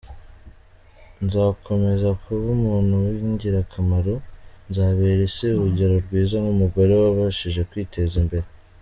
Nzakomeza kuba umuntu w’ingirakamaro, nzabera isi urugero rwiza nk’umugore wabashije kwiteza imbere.